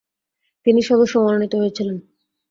তিনি সদস্য মনোনীত হয়েছিলেন।